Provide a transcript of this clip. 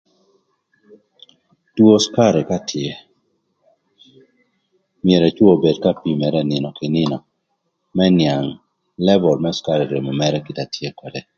Two cükarï ka tye myero ëcwö obed ka pimere nïnö kï nïnö më nïang lëböl më cükarï ï remo mërë kite atye ködë.